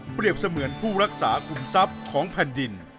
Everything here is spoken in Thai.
เปรียบเสมือนผู้รักษ่าคุ้มศัพท์ของแผ่นดิน